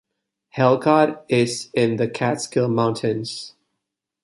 Halcott is in the Catskill Mountains.